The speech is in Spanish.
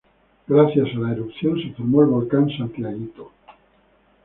Gracias a la erupción se formó el volcán Santiaguito.